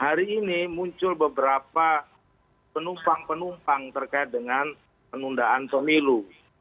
hari ini muncul beberapa penumpang penumpang terkait dengan penundaan pemilu